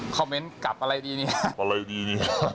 คอมเมนต์กลับอะไรดีนี่